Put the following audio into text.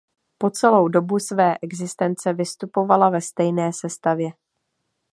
Po celou dobu své existence vystupovala ve stejné sestavě.